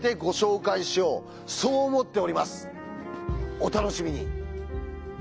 お楽しみに。